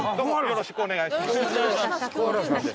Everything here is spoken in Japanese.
よろしくお願いします教授。